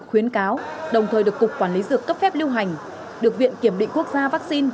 khuyến cáo đồng thời được cục quản lý dược cấp phép lưu hành được viện kiểm định quốc gia vaccine